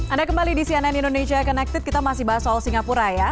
anda kembali di cnn indonesia connected kita masih bahas soal singapura ya